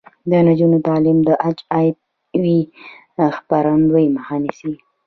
د نجونو تعلیم د اچ آی وي خپریدو مخه نیسي.